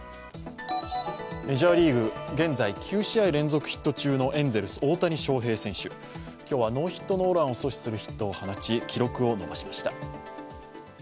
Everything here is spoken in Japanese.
メジャーリーグ、現在９試合連続ヒット中のエンゼルス・大谷翔平選手、今日はノーヒットノーランを阻止するヒットを放ち、記録を伸ばしました。